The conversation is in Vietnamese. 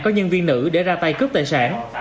có nhân viên nữ để ra tay cướp tài sản